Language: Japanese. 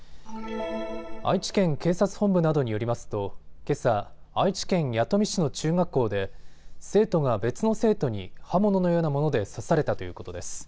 愛知県警察本部などによりますとけさ、愛知県弥富市の中学校で生徒が別の生徒に刃物のようなもので刺されたということです。